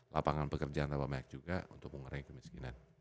lapangan pekerjaan tambah banyak juga untuk pengurangan